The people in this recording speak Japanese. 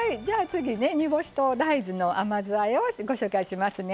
次煮干しと大豆の甘酢あえをご紹介しますね。